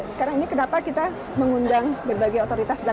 sekarang ini kenapa kita mengundang berbagai otoritas